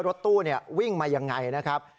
รถตู้วิ่งมายังไงนะครับ